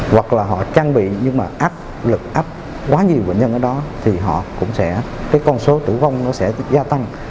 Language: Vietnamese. hoặc là họ trang bị nhưng mà áp lực áp quá nhiều bệnh nhân ở đó thì họ cũng sẽ cái con số tử vong nó sẽ gia tăng